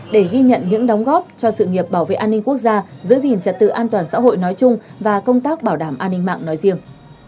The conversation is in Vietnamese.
để ghi nhận những đóng góp cho sự nghiệp bảo vệ an ninh quốc gia giữ gìn trật tự an toàn xã hội nói chung và công tác bảo đảm an ninh mạng nói riêng